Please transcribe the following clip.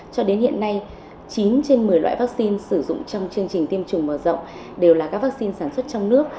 cho đến hiện nay chín trên một mươi loại vắc xin sử dụng trong chương trình tiêm chủng mở rộng đều là các vắc xin sản xuất trong nước